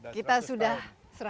kita sudah seratus tahun ya